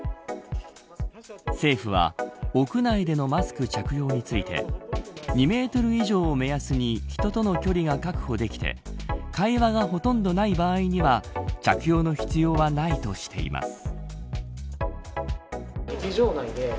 政府は屋内でのマスク着用について２メートル以上を目安に人との距離が確保できて会話がほとんどない場合には着用の必要はないとしています。